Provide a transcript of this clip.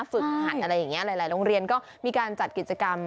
หัดอะไรอย่างนี้หลายโรงเรียนก็มีการจัดกิจกรรม